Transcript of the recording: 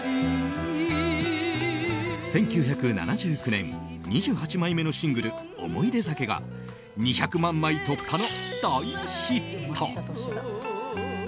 １９７９年、２８枚目のシングル「おもいで酒」が２００万枚突破の大ヒット。